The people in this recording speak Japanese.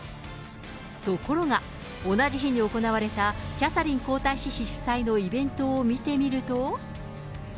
ところが、同じ日に行われたキャサリン皇太子妃主催のイベントを見てみると。